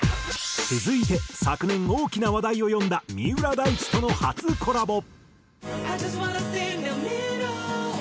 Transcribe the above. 続いて昨年大きな話題を呼んだ三浦大知との初コラボ。